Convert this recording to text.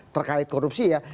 terkait korupsi ya